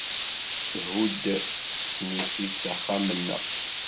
Thudd tnifift axxam-nneɣ.